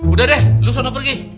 udah deh lu sana pergi